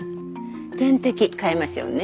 点滴替えましょうね。